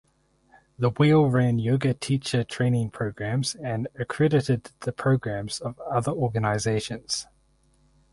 The Wheel ran yoga teacher training programmes and accredited the programmes of other organisations.